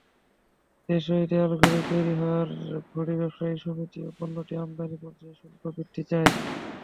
দেশেই দেয়ালঘড়ি তৈরি হওয়ায় ঘড়ি ব্যবসায়ী সমিতি পণ্যটির আমদানি পর্যায়ে শুল্ক বৃদ্ধি চায়।